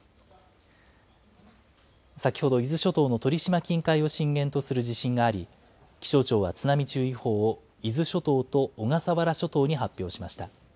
先ほど、伊豆諸島の鳥島近海を震源とする地震があり、気象庁は津波注意報を伊豆諸島と小笠原諸島に発表しました。